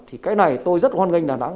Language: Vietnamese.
thì cái này tôi rất hoan nghênh đà nẵng